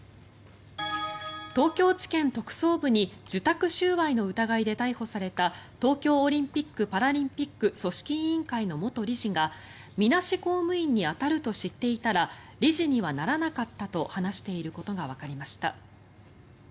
東京地検特捜部に受託収賄の疑いで逮捕された東京オリンピック・パラリンピック組織委員会の元理事がみなし公務員に当たると知っていたら理事にはならなかったと話していることがわかりました。